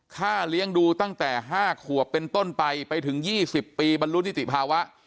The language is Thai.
เลี้ยงดูตั้งแต่๕ขวบเป็นต้นไปไปถึง๒๐ปีบรรลุนิติภาวะ